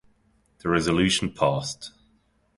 The resolution passed.